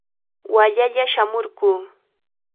Wallalla shamurquu.